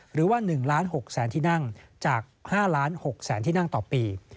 หรือว่าหนึ่งล้านหกแสนที่นั่งจากห้าล้านหกแสนที่นั่งต่อปี